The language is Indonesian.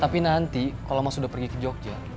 tapi nanti kalau mas udah pergi ke jogja bu